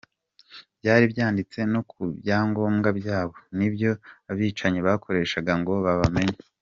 Byari byanditse no ku byangombwa byabo, nibyo abicanyi bakoreshaga ngo babamenye.